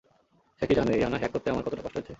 সে কি জানে এই আয়না হ্যাক করতে আমার কতোটা কষ্ট হয়েছে?